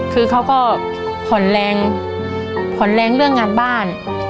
คือเขาก็ผ่อนแรงผ่อนแรงเรื่องงานบ้าน